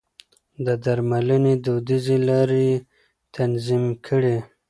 د درملنې دوديزې لارې يې تنظيم کړې.